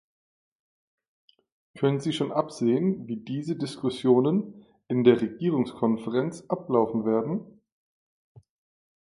Können Sie schon absehen, wie diese Diskussionen in der Regierungskonferenz ablaufen werden?